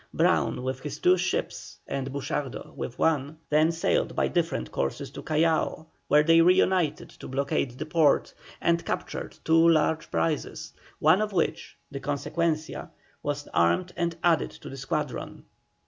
Brown with his two ships, and Buchardo with his one, then sailed by different courses to Callao, where they reunited to blockade the port, and captured two large prizes, one of which, the Consequencia, was armed and added to the squadron.